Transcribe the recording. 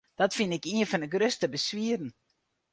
Dat fyn ik ien fan de grutste beswieren.